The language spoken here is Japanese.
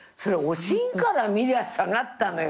『おしん』から見りゃ下がったのよ。